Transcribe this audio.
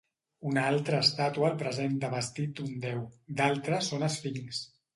Una altra estàtua el presenta vestit d'un déu; d'altres són esfinxs.